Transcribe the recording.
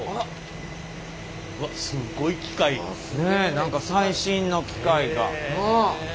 何か最新の機械が。